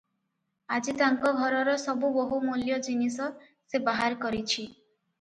ଆଜି ତାଙ୍କ ଘରର ସବୁ ବହୁ ମୂଲ୍ୟ ଜିନିଶ ସେ ବାହାର କରିଚି ।